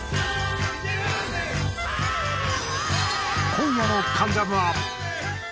今夜の『関ジャム』は。